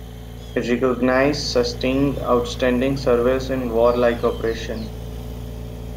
It recognises sustained outstanding service in warlike operations.